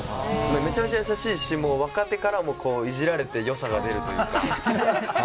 めちゃめちゃ優しいし若手からもイジられて良さが出るというか。